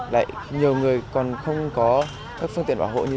đại nhiều người còn không có các phương tiện bảo hộ như thế này